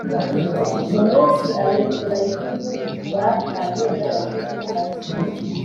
umunsi Abefurayimu batanye nabayuda